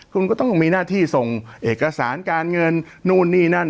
คุณก็ต้องมีหน้าที่ส่งเอกสารการเงินนู่นนี่นั่น